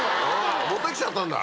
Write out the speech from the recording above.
持ってきちゃったんだ。